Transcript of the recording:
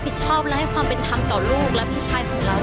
อีนี้เริ่มบอกว่าไม่เป็นหรอกณหาครับ